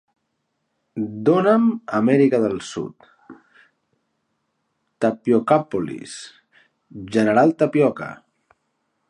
Dóna'm Amèrica del Sud... Tapiocapolis... General Tapioca!